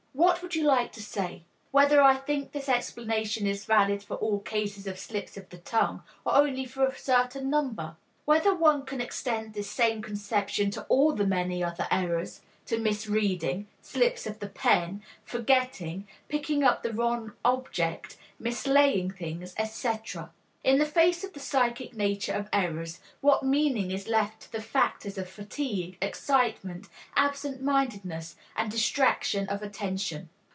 What would you like to say? Whether I think this explanation is valid for all cases of slips of the tongue or only for a certain number? Whether one can extend this same conception to all the many other errors to mis reading, slips of the pen, forgetting, picking up the wrong object, mislaying things, etc? In the face of the psychic nature of errors, what meaning is left to the factors of fatigue, excitement, absent mindedness and distraction of attention?